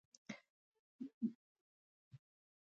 بر سر کې بچیانو ته د سبزۍ مېز ولګاوه